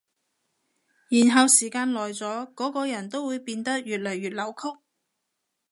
然後時間耐咗，嗰個人都會變得越來越扭曲